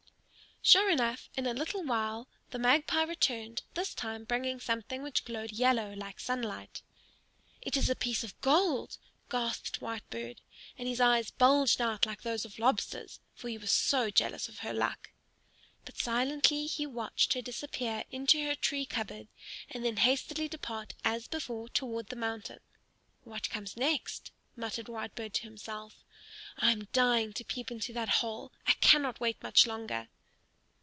Sure enough. In a little while the Magpie returned, this time bringing something which glowed yellow like sunlight. "It is a piece of gold!" gasped Whitebird, and his eyes bulged out like those of lobsters, he was so jealous of her luck. But he silently watched her disappear into her tree cupboard and then hastily depart as before toward the mountain. "What comes next?" muttered Whitebird to himself. "I am dying to peep into that hole. I cannot wait much longer."